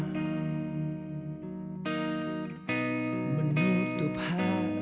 orang pengarut anda sudah diterima kita vous nama